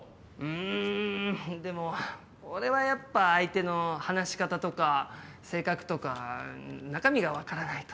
んでも俺はやっぱ相手の話し方とか性格とか中身が分からないと。